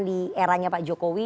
di eranya pak jokowi